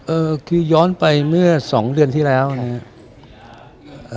เอ่อคือย้อนไปเมื่อสองเดือนที่แล้วนะครับ